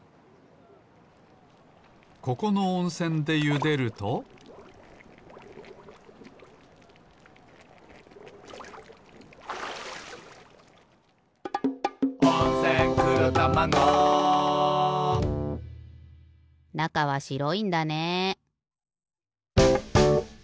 ここのおんせんでゆでると「温泉黒たまご」なかはしろいんだね。